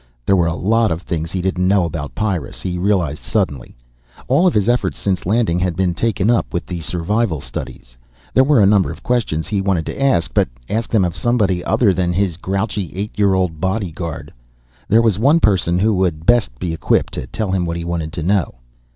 There were a lot of things he didn't know about Pyrrus, he realized suddenly. All of his efforts since landing had been taken up with the survival studies. There were a number of questions he wanted to ask. But ask them of somebody other than his grouchy eight year old bodyguard. There was one person who would be best equipped to tell him what he wanted to know.